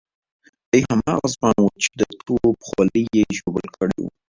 دی هماغه ځوان وو چې د توپ خولۍ ژوبل کړی وو.